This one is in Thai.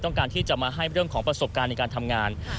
ต้องการที่จะมาให้เรื่องของประสบการณ์ในการทำงาน